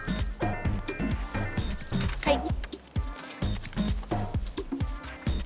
はい。